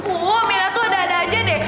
oh mila tuh ada ada aja deh